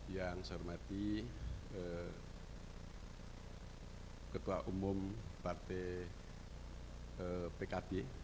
yang saya hormati ketua umum partai pkb